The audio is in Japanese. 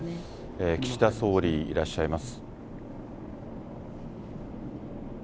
岸田総理、いらっしゃいます。